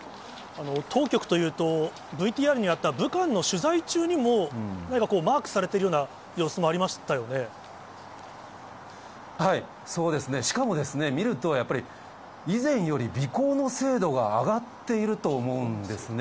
当局というと、ＶＴＲにあった武漢の取材中にも、なにかこう、マークされてるようそうですね、しかもですね、見ると、やっぱり、以前より尾行の精度が上がっていると思うんですね。